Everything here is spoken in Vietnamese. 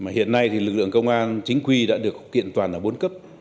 hiện nay lực lượng công an chính quy đã được kiện toàn ở bốn cấp